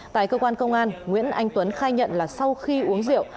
tại cơ quan công an nguyễn anh tuấn khai nhận là sau khi uống rượu